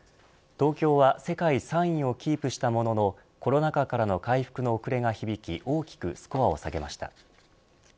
東京は世界３位をキープしたもののコロナ禍からの回復の遅れが響き大きくスコアを下げました。